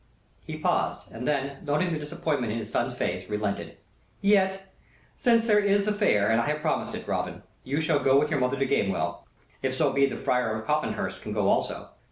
He paused, and then, noting the disappointment in his son's face, relented. "Yet, since there is the Fair, and I have promised it, Robin, you shall go with your mother to Gamewell, if so be the Friar of Copmanhurst can go also.